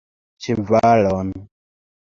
Ĉevalon!